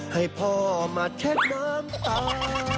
ให้พ่อมาเช็ดน้ำตา